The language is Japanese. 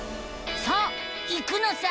さあ行くのさ！